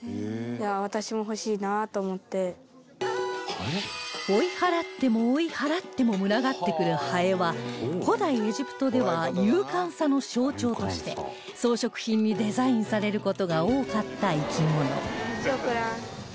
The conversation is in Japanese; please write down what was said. ハエのネックレスは追い払っても追い払っても群がってくるハエは古代エジプトでは勇敢さの象徴として装飾品にデザインされる事が多かった生き物